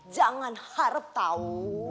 jangan harap tahu